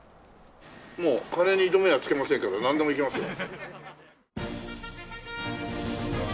もう金に糸目はつけませんからなんでも行きますよ。